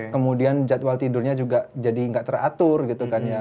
kemudian jadwal tidurnya juga jadi nggak teratur gitu kan ya